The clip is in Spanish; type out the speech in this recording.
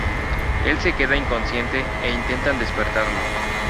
Él se queda inconsciente, e intentan despertarlo.